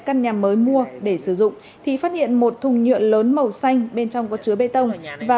căn nhà mới mua để sử dụng thì phát hiện một thùng nhựa lớn màu xanh bên trong có chứa bê tông và